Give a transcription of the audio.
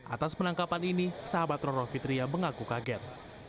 atas penangkapan ini sahabat roro fitria mengaku kaget